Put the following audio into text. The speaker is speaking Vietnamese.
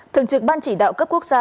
thường trực ban chỉ đạo cấp quốc gia